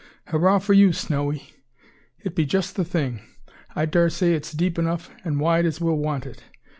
"Hurraw for you, Snowy! It be just the thing. I dar say it's deep enough, and wide as we'll want it.